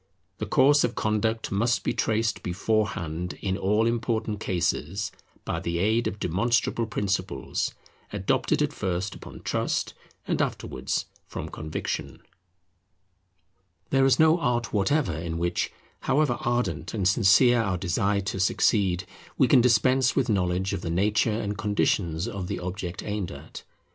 The course of conduct must be traced beforehand in all important cases by the aid of demonstrable principles, adopted at first upon trust, and afterwards from conviction. There is no art whatever in which, however ardent and sincere our desire to succeed, we can dispense with knowledge of the nature and conditions of the object aimed at.